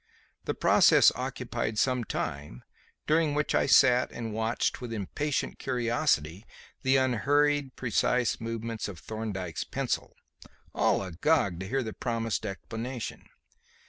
The process occupied some time, during which I sat and watched with impatient curiosity the unhurried, precise movements of Thorndyke's pencil, all agog to hear the promised explanation.